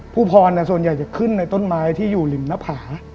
ผู้พรส่วนใหญ่จะขึ้นในต้นไม้ที่อยู่ริมหน้าผา